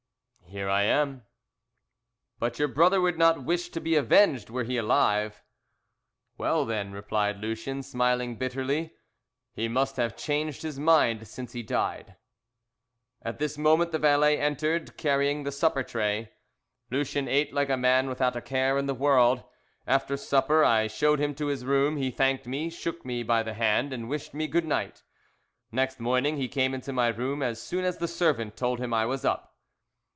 "Here I am." "But your brother would not wish to be avenged were he alive." "Well, then," replied Lucien, smiling bitterly, "he must have changed his mind since he died." At this moment the valet entered, carrying the supper tray. Lucien ate like a man without a care in the world. After supper I showed him to his room. He thanked me, shook me by the hand, and wished me good night. Next morning he came into my room as soon as the servant told him I was up.